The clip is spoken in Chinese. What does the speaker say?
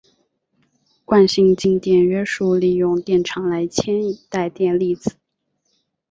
惯性静电约束利用电场来牵引带电粒子。